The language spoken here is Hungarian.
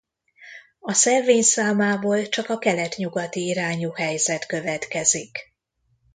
A szelvény számából csak a kelet-nyugati irányú helyzet következik.